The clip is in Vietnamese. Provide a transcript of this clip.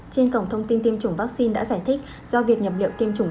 trên cổng thông tin tiêm chủng vaccine đã giải thích do việc nhập liệu tiêm chủng